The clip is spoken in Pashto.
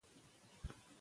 که رښتیا وي نو زال نه وي.